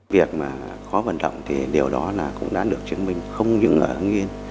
việc khó vận động thì điều đó cũng đã được chứng minh không những ở hưng yên